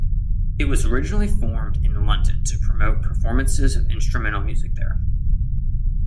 It was originally formed in London to promote performances of instrumental music there.